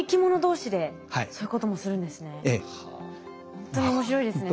ほんとに面白いですね